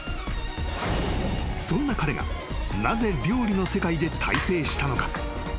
［そんな彼がなぜ料理の世界で大成したのか？］